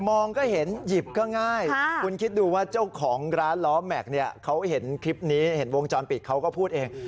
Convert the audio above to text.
มองก็เห็นหยิบก็ง่ายคุณคิดดูว่าเจ้าของร้านล้อแม็กซ์เนี่ยเขาเห็นคลิปนี้เห็นวงจรปิดเขาก็พูดเอง